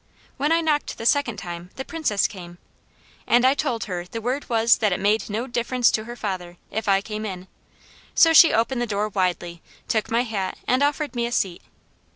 When I knocked the second time, the Princess came, and I told her the word was that it made 'no difference to her father' if I came in, so she opened the door widely, took my hat and offered me a seat.